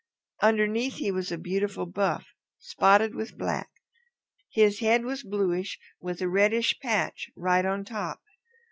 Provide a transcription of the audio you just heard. Underneath he was a beautiful buff, spotted with black. His head was bluish with a reddish patch right on top.